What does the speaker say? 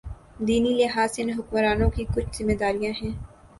دینی لحاظ سے ان حکمرانوں کی کچھ ذمہ داریاں ہیں۔